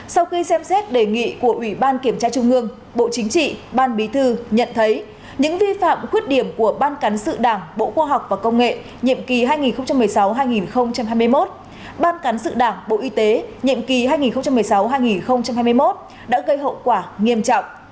sau khi xem xét đề nghị của ủy ban kiểm tra trung ương bộ chính trị ban bí thư nhận thấy những vi phạm khuyết điểm của ban cán sự đảng bộ khoa học và công nghệ nhiệm kỳ hai nghìn một mươi sáu hai nghìn hai mươi một ban cán sự đảng bộ y tế nhiệm kỳ hai nghìn một mươi sáu hai nghìn hai mươi một đã gây hậu quả nghiêm trọng